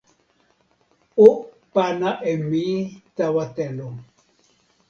o pana e mi tawa telo.